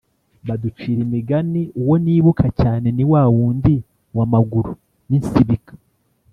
baducira imigani Uwo nibuka cyane ni wa wundi wa Maguru n insibika